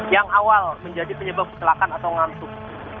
yang awal menjadi penyebab kecelakaan atau ngantuk